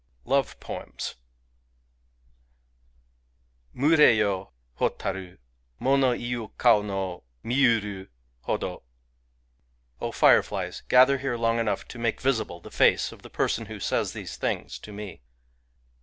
Love Poems Mureyo, hotaru^ Mono iu kao no Miyuru hodo ! O fireflies, gather here long enough to make visible the face of the person who says these things to me